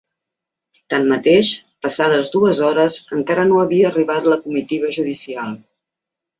Tanmateix, passades dues hores encara no havia arribat la comitiva judicial.